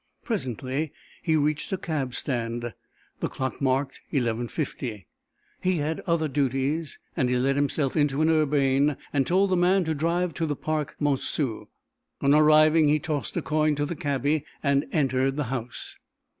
Presently he reached a cab stand. The clock marked 11.50. He had other duties, and he let himself into an Urbaine and told the man to drive to the Parc Monceau. On arriving he tossed a coin to the cabby and entered the house.